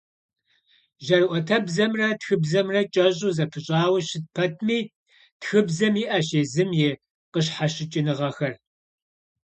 Жьэрыӏуэтэбзэмрэ тхыбзэмрэ кӏэщӏу зэпыщӏауэ щыт пэтми, тхыбзэм иӏэщ езым и къыщхьэщыкӏыныгъэхэр.